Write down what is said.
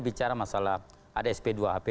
bicara masalah ada sp dua hp